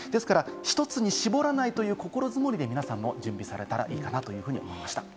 １つに絞らないという心づもりで皆さんも準備されたらいいかと思います。